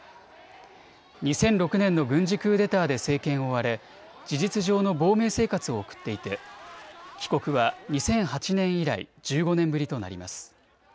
２００６年の軍事クーデターで政権を追われ事実上の亡命生活を送っていて帰国は２００８年以来、１５年ぶりとなります。